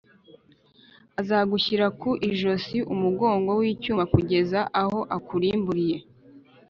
azagushyira ku ijosi umugogo w’icyuma kugeza aho akurimburiye